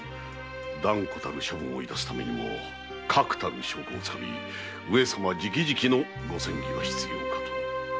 断固たる処分をいたすためにも確たる証拠をつかみ上様じきじきのご詮議が必要かと。